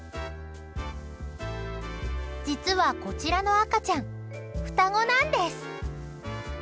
実は、こちらの赤ちゃん双子なんです。